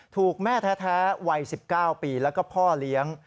ถูกแม่แท้วัย๑๙ปีแล้วก็พ่อเลี้ยง